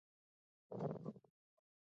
د یووالي غږ په هره کوڅه کې پورته کړئ.